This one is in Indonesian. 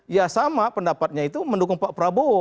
ya sama pendapatnya itu mendukung pak prabowo